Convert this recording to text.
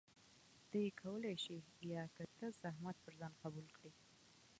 ته يې کولى شې يا که ته زحمت پر ځان قبول کړي؟